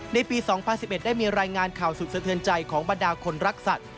ในปี๒๐๑๑ได้มีรายงานข่าวสุดสะเทือนใจของบรรดาคนรักสัตว